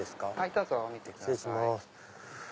どうぞ見てください。